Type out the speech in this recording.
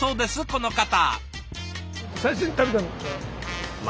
この方。